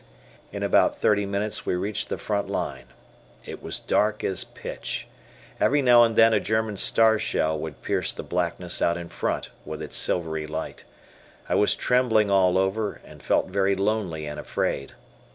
In about thirty minutes we reached the front Hue. It was dark as pitch. Every now and then a German star shell would pierce the blackness out in front with its silvery light. I was trembling all over, and felt very lonely and afraid.